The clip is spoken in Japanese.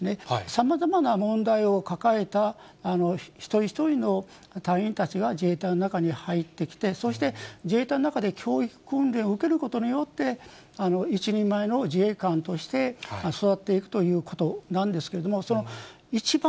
さまざまな問題を抱えた一人一人の隊員たちが自衛隊の中に入ってきて、そして自衛隊の中で教育訓練を受けることによって、一人前の自衛官として育っていくということなんですけれども、一番